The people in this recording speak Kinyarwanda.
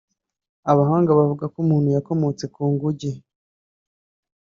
Abahanga bavuga ko umuntu yakomotse ku nguge